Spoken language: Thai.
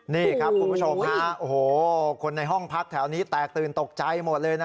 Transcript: นี่ครับคุณผู้ชมฮะโอ้โหคนในห้องพักแถวนี้แตกตื่นตกใจหมดเลยนะ